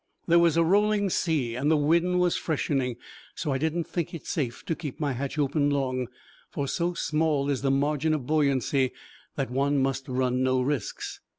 There was a rolling sea and the wind was freshening, so I did not think it safe to keep my hatch open long, for so small is the margin of buoyancy that one must run no risks.